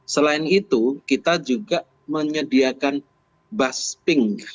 selain itu kita juga menyediakan bus ping